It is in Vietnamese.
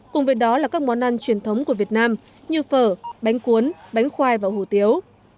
cùng với đó là các món ăn truyền thống của việt nam như phở bánh cuốn bánh khoai và hủ tiếu